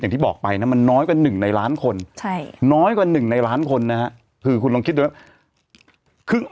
อย่างที่บอกไปมันน้อยกว่า๑ในล้านคนคือคุณลองคิดดูนะ